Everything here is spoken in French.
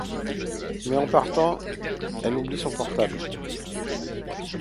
Mais en partant, elle oublie son portable.